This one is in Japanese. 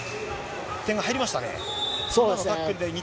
点が入りましたね。